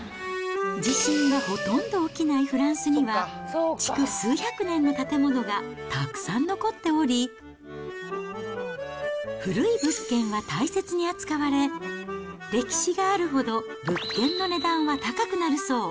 地震がほとんど起きないフランスには、築数百年の建物がたくさん残っており、古い物件が大切に扱われ、歴史があるほど物件の値段は高くなるそう。